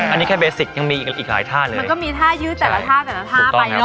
อันนี้แค่เบสิกยังมีอีกหลายท่าเลยมันก็มีท่ายืดแต่ละท่าแต่ละท่าไปเนอ